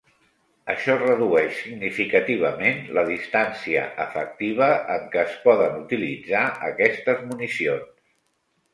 Això redueix significativament la distància efectiva en què es poden utilitzar aquestes municions.